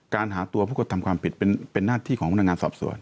การหาตัวผู้กระทำความผิดเป็นหน้าที่ของพนักงานสอบสวน